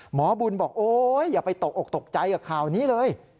หมอบุญบอกโอ๊ยอย่าไปตกออกตกใจกับข่าวนี้เลย